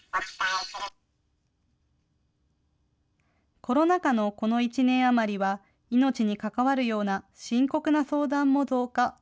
コロナ禍のこの１年あまりは、命に関わるような深刻な相談も増加。